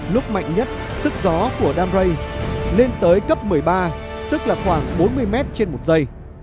lúc mạnh nhất sức gió của dan rây lên tới cấp một mươi ba tức là khoảng bốn mươi mét trên một giây